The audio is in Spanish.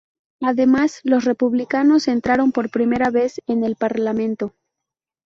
Además, los Republicanos entraron por primera vez en el parlamento.